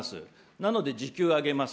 なので時給を上げます。